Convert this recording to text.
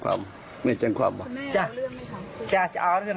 ครูจะฆ่าแม่ไม่รักตัวเอง